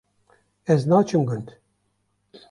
Ez naçim gund